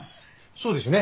そうですよね。